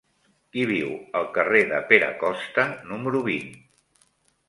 Qui viu al carrer de Pere Costa número vint?